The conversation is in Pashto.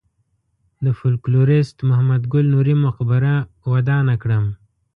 د فولکلوریست محمد ګل نوري مقبره ودانه کړم.